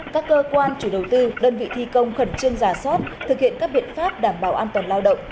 các cơ quan chủ đầu tư đơn vị thi công khẩn trương giả soát thực hiện các biện pháp đảm bảo an toàn lao động